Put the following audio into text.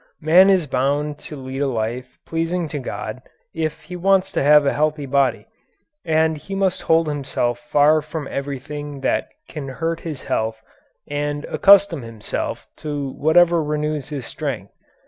Man is bound to lead a life pleasing to God if he wants to have a healthy body, and he must hold himself far from everything that can hurt his health and accustom himself to whatever renews his strength.